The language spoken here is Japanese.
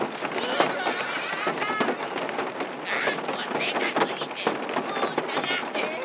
がんこはでかすぎてむりだな。